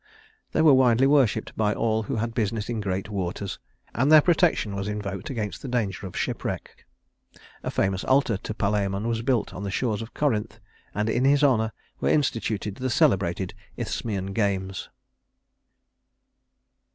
They were widely worshiped by all who had business in great waters, and their protection was invoked against the danger of shipwreck. A famous altar to Palæmon was built on the shores of Corinth, and in his honor were instituted the celebrated Isthmian games.